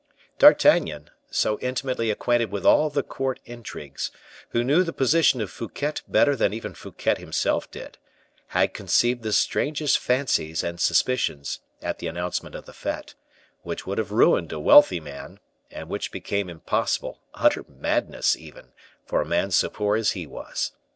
D'Artagnan, so intimately acquainted with all the court intrigues, who knew the position of Fouquet better than even Fouquet himself did, had conceived the strangest fancies and suspicions at the announcement of the fete, which would have ruined a wealthy man, and which became impossible, utter madness even, for a man so poor as he was.